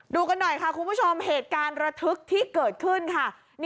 ดูกันหน่อยค่ะคุณผู้ชมเหตุการณ์ระทึกที่เกิดขึ้นค่ะ